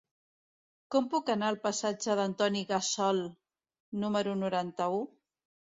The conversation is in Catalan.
Com puc anar al passatge d'Antoni Gassol número noranta-u?